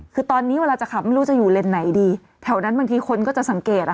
คือตอนนี้เวลาจะขับไม่รู้จะอยู่เลนส์ไหนดีแถวนั้นบางทีคนก็จะสังเกตอ่ะ